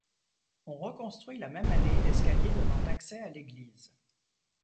On reconstruit la même année l'escalier donnant accès à l'église.